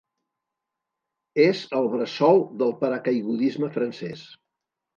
És el bressol del paracaigudisme francès.